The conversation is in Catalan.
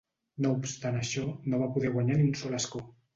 No obstant això, no va poder guanyar ni un sol escó.